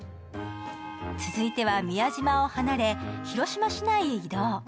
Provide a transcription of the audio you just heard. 続いては宮島を離れ、広島市内へ移動。